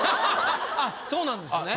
あっそうなんですね。